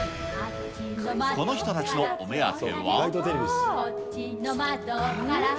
この人たちのお目当ては。